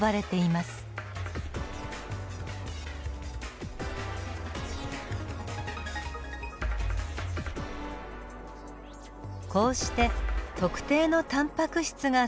こうして特定のタンパク質が作られていきます。